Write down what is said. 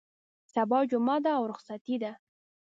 سبا جمعه ده او رخصتي ده.